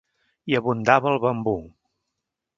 Hi abundava el bambú.